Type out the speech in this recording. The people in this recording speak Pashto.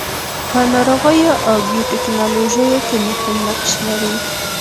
په ناروغیو او بیوټیکنالوژي کې مهم نقش لري.